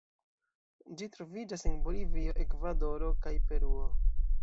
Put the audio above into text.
Ĝi troviĝas en Bolivio, Ekvadoro kaj Peruo.